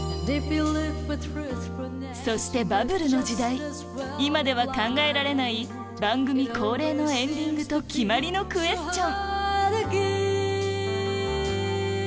そしてバブルの時代今では考えられない番組恒例のエンディングと決まりのクエスチョン